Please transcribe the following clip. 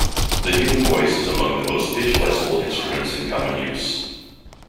The human voice is among the most pitch-flexible instruments in common use.